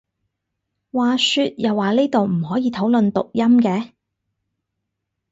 話說又話呢度唔可以討論讀音嘅？